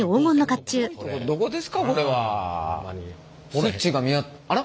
すっちーがあら？